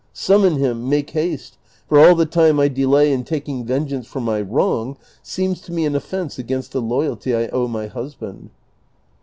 Summon hira, make haste, for all the time T delay in taking vengeance for my wrong seems to me an ottence against the loyalty I owe my husband."